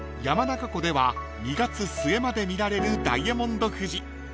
［山中湖では２月末まで見られるダイヤモンド富士］